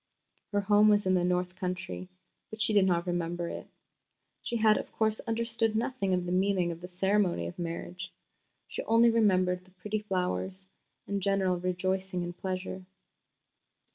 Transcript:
Her home was in the north country, but she did not remember it. She had, of course, understood nothing of the meaning of the ceremony of marriage. She only remembered the pretty flowers and general rejoicing and pleasure.